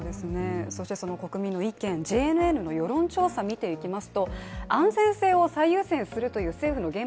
そして国民の意見、ＪＮＮの世論調査見ていきます。